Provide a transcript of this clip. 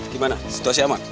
gimana situasi aman